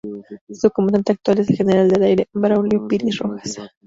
Su comandante actual es el General del Aire Braulio Piris Rojas.